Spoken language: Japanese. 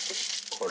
これ。